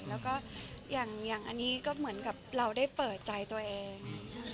แล้วก็อย่างอันนี้ก็เหมือนกับเราได้เปิดใจตัวเอง